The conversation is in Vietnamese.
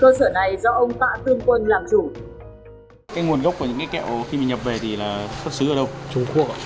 cơ sở này do ông tạ tương quân làm chủ